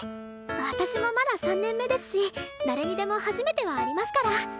私もまだ３年目ですし誰にでも初めてはありますから。